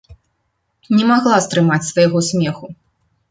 Не магла стрымаць свайго смеху.